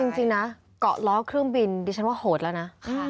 จริงนะเกาะล้อเครื่องบินดิฉันว่าโหดแล้วนะ